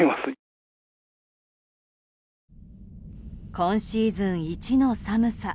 今シーズン一の寒さ。